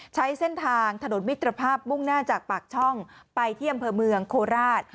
ใช้เส้นทางถนนมิตรภาพมุ่งหน้าจากปากช่องไปที่อำเภอเมืองโคราช